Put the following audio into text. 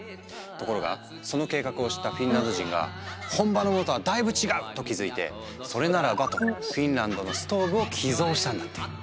ところがその計画を知ったフィンランド人が「本場のものとはだいぶ違う」と気付いてそれならばとフィンランドのストーブを寄贈したんだって。